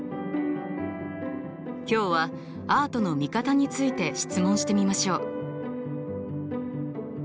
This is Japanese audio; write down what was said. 今日はアートの見方について質問してみましょう。